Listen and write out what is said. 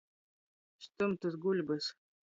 Stumtys guļbys.